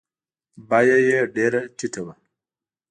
بویه یې ډېره ټیټه وه.